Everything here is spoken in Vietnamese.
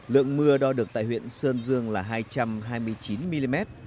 lượng mưa đo được tại huyện sơn dương là hai trăm hai mươi chín mm